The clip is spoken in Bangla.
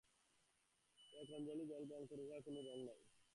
এক অঞ্জলি জল গ্রহণ কর, উহার কোন রঙ নাই।